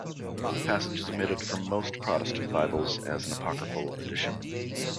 The passage is omitted from most Protestant Bibles as an apocryphal addition.